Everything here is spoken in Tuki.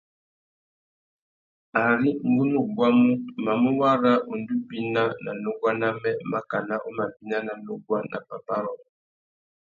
Ari ngu nú guamú, mamú wara undú bina nà nuguá namê makana u má bina ná nuguá nà pápá rôō .